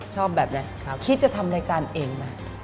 ชอบแบบไหนคิดจะทำรายการเองไหม